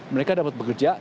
mereka dapat bekerja